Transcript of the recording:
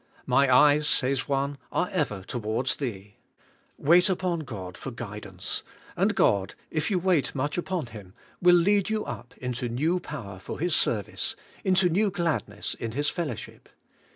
"My eyes," says one, "are ever towards Tliec." Wait upon God for guidance, and God, if you wait much upon Him, will lead you up into new power for His service, into new gladness in His fellow ship.